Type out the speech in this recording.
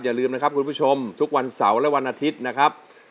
อย่าลืมนะครับคุณผู้ชมทุกวันเสาร์และวันอาทิตย์นะครับ